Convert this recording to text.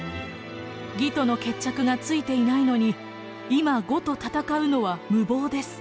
魏との決着がついていないのに今呉と戦うのは無謀です。